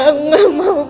aku gak mau pisah ma